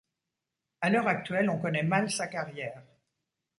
À l’heure actuelle on connait mal sa carrière.